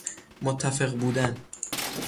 متفق بودن